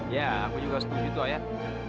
ya aku juga setuju tuh ayah